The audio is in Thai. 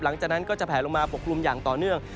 หลังจากนั้นก็จะแผลลงมาปกกลุ่มอย่างต่อเนื่อง